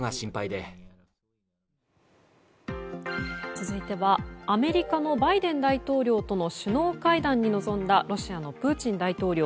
続いてはアメリカのバイデン大統領との首脳会談に臨んだロシアのプーチン大統領。